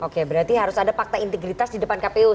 oke berarti harus ada fakta integritas di depan kpu